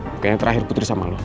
makanya terakhir putri sama lo